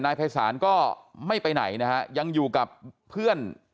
นายภัยศาลก็ไม่ไปไหนนะฮะยังอยู่กับเพื่อน